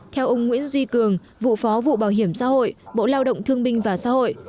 theo ông nguyễn duy cường vụ phó vụ bảo hiểm xã hội bộ lao động thương binh và xã hội